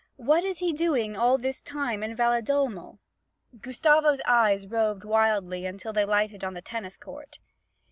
What is he doing all this time in Valedolmo?' Gustavo's eyes roved wildly until they lighted on the tennis court.